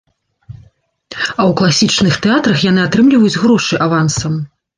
А ў класічных тэатрах яны атрымліваюць грошы авансам.